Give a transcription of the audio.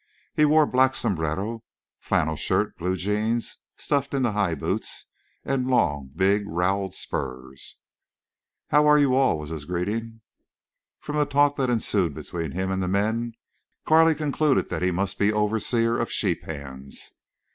He wore black sombrero, flannel shirt, blue jeans stuffed into high boots, and long, big roweled spurs. "How are you all?" was his greeting. From the talk that ensued between him and the men, Carley concluded that he must be overseer of the sheep hands.